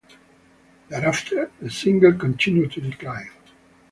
Thereafter, the single continued to decline.